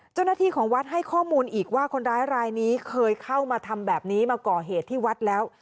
เจ้าหน้าที่ของวัดให้ข้อมูลอีกว่าคนร้ายรายนี้เคยเข้ามาทำแบบนี้มาก่อเหตุที่วัดแล้ว